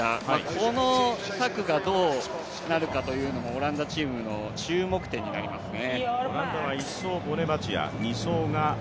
この策がどうなるかというのも、オランダチームの注目点になりそうですね。